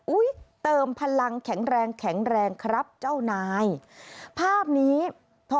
เติมพลังแข็งแรงแข็งแรงครับเจ้านายภาพนี้ท้อ